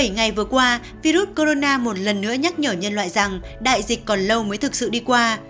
bảy ngày vừa qua virus corona một lần nữa nhắc nhở nhân loại rằng đại dịch còn lâu mới thực sự đi qua